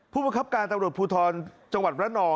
ผู้บังคับการตำรวจภูทรจังหวัดระนอง